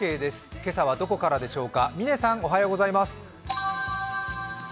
今朝はどこからでしょうか嶺さん、おはようございます。